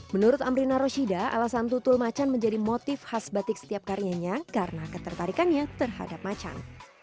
menurut amrina roshida alasan tutul macan menjadi motif khas batik setiap karyanya karena ketertarikannya terhadap macan